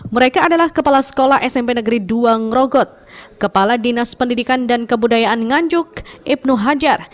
mereka adalah kepala sekolah smp negeri duang rogot kepala dinas pendidikan dan kebudayaan nganjuk ibnu hajar